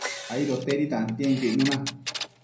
aidotedi tantienquio icnuna